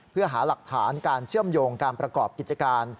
เพื่อหาหลักฐานการเชื่อมโยงการประกอบกิจการ